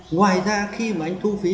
ngoài ra khi mà anh thu phí